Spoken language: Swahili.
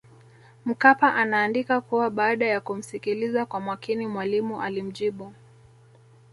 Mkapa anaandika kuwa baada ya kumsikiliza kwa makini Mwalimu alimjibu